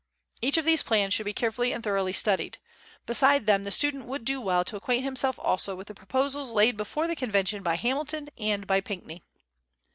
Each of these plans should be carefully and thoroughly studied. Beside them, the student will do well to acquaint himself also with the proposals laid before the Convention by Hamilton and by Pinckney.